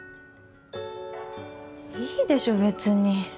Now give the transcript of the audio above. いいでしょ別に。